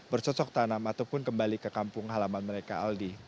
bercocok tanam ataupun kembali ke kampung halaman mereka aldi